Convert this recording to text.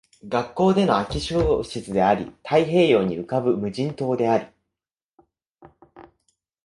学校での空き教室であり、太平洋に浮ぶ無人島であり